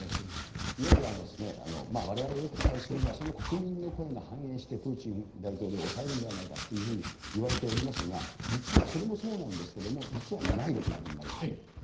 いわゆるわれわれがよく期待するのは国民の声が反映して、プーチン大統領を抑えるんではないかというふうにいわれておりますが、実はそれもそうなんですけれども、実は内部ということになるわけですね。